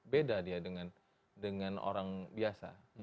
beda dia dengan orang biasa